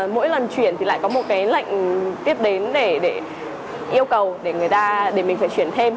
mỗi lần chuyển thì lại có một lệnh tiếp đến để yêu cầu để mình phải chuyển thêm